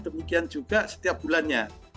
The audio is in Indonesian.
demikian juga setiap bulannya